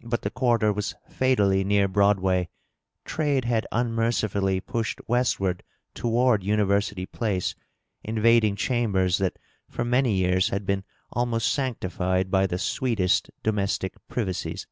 But the quarter was fatally near Broadway ; trade had unmercifully pushed westward toward University Place, in vading chambers that for many years had been almost sanctified by the sweetest domestic privacies.